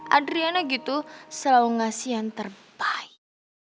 adriana gitu selalu ngasih yang terbaik